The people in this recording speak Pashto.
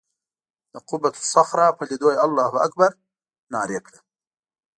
د قبة الصخره په لیدو یې الله اکبر نارې کړه.